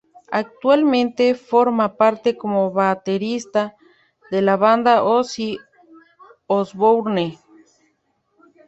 Actualmente forma parte como baterista de la banda Ozzy Osbourne.